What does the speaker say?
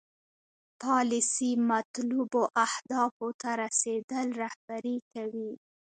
پالیسي مطلوبو اهدافو ته رسیدل رهبري کوي.